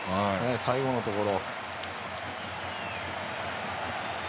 最後のところ。